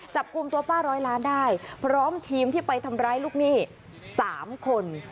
จับกลุ่มตัวป้าร้อยล้านได้พร้อมทีมที่ไปทำร้ายลูกหนี้๓คน